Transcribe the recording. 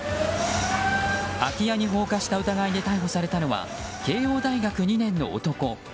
空き家に放火した疑いで逮捕されたのは慶応大学２年の男。